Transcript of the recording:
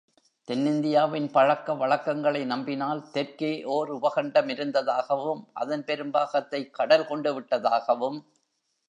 தென்னிந்தியாவின் பழக்க வழக்கங்களை நம்பினால் தெற்கே ஓர் உபகண்டமிருந்ததாகவும், அதன் பெரும் பாகத்தைக் கடல் கொண்டுவிட்டதாகவும்.